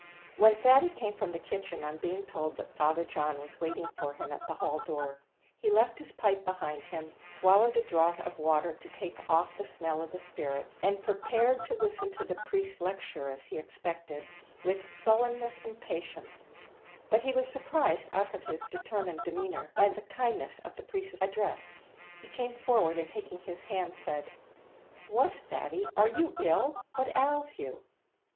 When Thady came from the kitchen, on being told that Father John was waiting for him at the hall door, he left his pipe behind him, swallowed a draught of water to take off the smell of the spirits, and prepared to listen to the priest's lecture, as he expected, with sullenness and patience; but he was surprised out of his determined demeanour by the kindness of the priest's address. He came forward, and taking his hand, said, "What, Thady, are you ill? What ails you?"